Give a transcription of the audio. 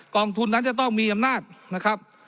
องทุนนั้นจะต้องมีอำนาจนะครับ